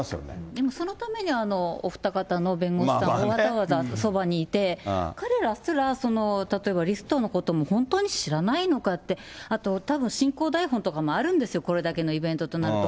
でもそのために、お二方の弁護士さんがわざわざそばにいて、彼らは例えばリストのことも本当に知らないのかって、あと、たぶん進行台本とかもあるんですよ、これだけのイベントとなると。